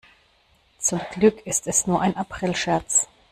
Zum Glück ist es nur ein Aprilscherz.